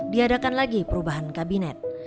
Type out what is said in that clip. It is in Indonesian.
diadakan lagi perubahan kabinet